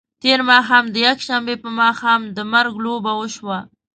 تېر ماښام د یکشنبې په ماښام د مرګ لوبه وشوه.